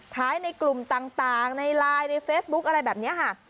ในกลุ่มต่างในไลน์ในเฟซบุ๊คอะไรแบบนี้ค่ะ